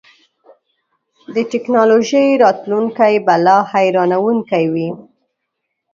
د ټیکنالوژۍ راتلونکی به لا حیرانوونکی وي.